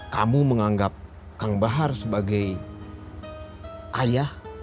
kamu menganggap kang bahar sebagai ayah